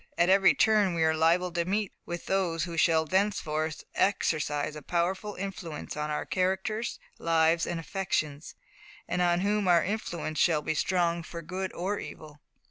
At every turn we are liable to meet with those who shall thenceforth exercise a powerful influence on our characters, lives, and affections, and on whom our influence shall be strong for good or evil.